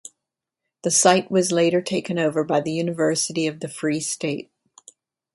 The site was later taken over by the University of the Free State.